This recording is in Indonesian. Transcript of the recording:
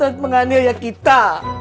ini sama saja udah kita